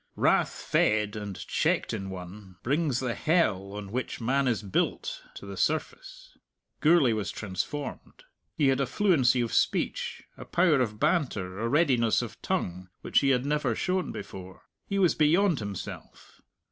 Wrath fed and checked in one brings the hell on which man is built to the surface. Gourlay was transformed. He had a fluency of speech, a power of banter, a readiness of tongue, which he had never shown before. He was beyond himself.